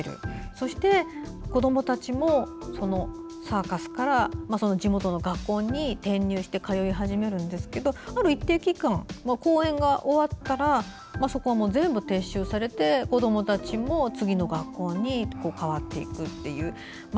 そして、子どもたちもそのサーカスから地元の学校に転入して通い始めるんですがある一定期間、公演が終わったらそこはもう全部撤収されて子どもたちも次の学校に変わっていくという。